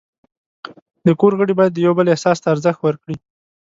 د کور غړي باید د یو بل احساس ته ارزښت ورکړي.